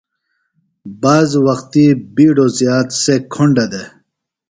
بعض وقتی بِیڈوۡ زیات سےۡ کُھنڈہ دےۡ۔